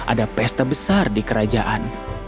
ada pesta besar di kerajaan